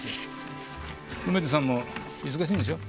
梅津さんも忙しいんでしょ？